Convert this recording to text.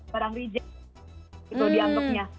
barang reject gitu di antepnya